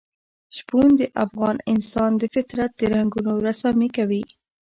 شپون د افغان انسان د فطرت د رنګونو رسامي کوي.